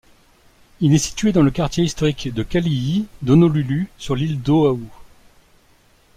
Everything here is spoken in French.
Il est situé dans le quartier historique de Kalihi d'Honolulu sur l'île d'O'ahu.